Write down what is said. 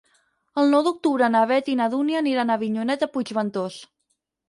El nou d'octubre na Beth i na Dúnia aniran a Avinyonet de Puigventós.